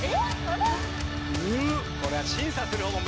これは審査するほうも